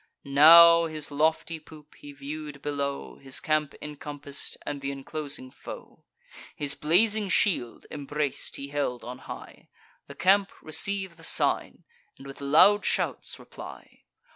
Now, his lofty poop, he view'd below His camp incompass'd, and th' inclosing foe. His blazing shield, imbrac'd, he held on high; The camp receive the sign, and with loud shouts reply.